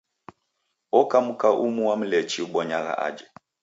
Oka mka umu wa Mlechi ubonyagha aje.